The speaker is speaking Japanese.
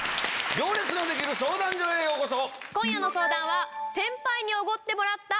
『行列のできる相談所』へようこそ。